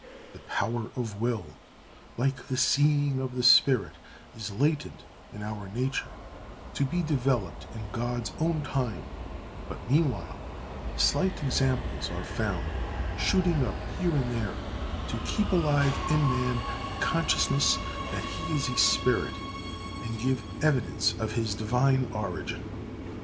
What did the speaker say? The power of will, like the seeing of the spirit, is latent in our nature, to be developed in God's own time; but meanwhile, slight examples are found, shooting up here and there, to keep alive in man the consciousness that he is a spirit, and give evidence of his Divine origin.